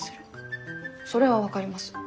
それは分かります。